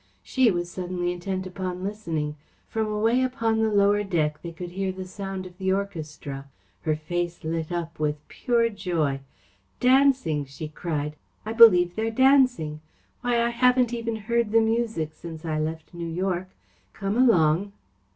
She was suddenly intent upon listening. From away upon the lower deck they could hear the sound of the orchestra. Her face lit up with pure joy. "Dancing!" she cried. "I believe they're dancing. Why, I haven't even heard the music since I left New York! Come along!"